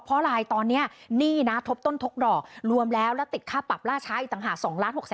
เพราะอะไรตอนนี้หนี้นะทบต้นทบดอกรวมแล้วแล้วติดค่าปรับล่าช้าอีกต่างหาก๒๖๐๐๐